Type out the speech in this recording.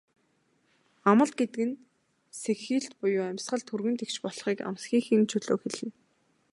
Амал гэдэг нь сэгхийлт буюу амьсгал түргэн тэгш болохыг, амсхийхийн чөлөөг хэлнэ.